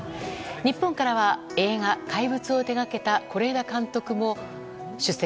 日本からは、映画「怪物」を手がけた是枝監督も出席。